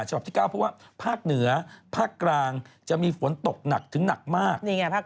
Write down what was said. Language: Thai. ฉบับที่๙เพราะว่าภาคเหนือภาคกลางจะมีฝนตกหนักถึงหนักมาก